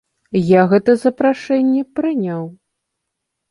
Я гэта запрашэнне прыняў.